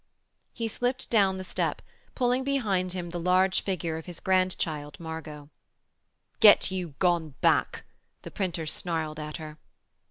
He slipped down the step, pulling behind him the large figure of his grandchild Margot. 'Get you gone back,' the printer snarled at her.